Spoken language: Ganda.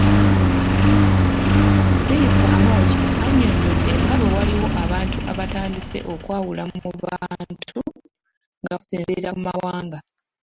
Minisita Amongi annyonnyodde nga bwewaliwo abantu abatandise okwawula mu bantu nga basinziira ku mawanga.